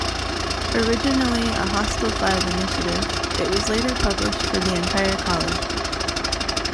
Originally a hostel-V initiative, it was later published for the entire college.